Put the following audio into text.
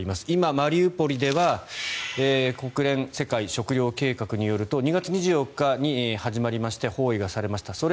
今マリウポリでは国連世界食糧計画によると２月２４日に始まりまして包囲がされました。